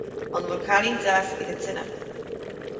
An bhfuil cailín deas ag an tine